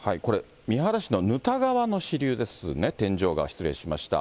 三原市の沼田川の支流ですね、天井川、失礼しました。